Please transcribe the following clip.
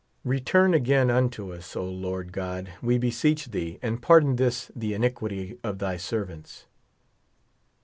Return again unto us, O, Lord God, we beseech thee, and pardon this, the iniquity of thy servants.